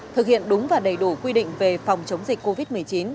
thực hiện đúng và đầy đủ quy định về phòng chống dịch covid một mươi chín